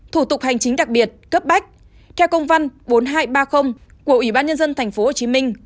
thủ tục hành chính đặc biệt cấp bách theo công văn bốn nghìn hai trăm ba mươi của ủy ban nhân dân tp hcm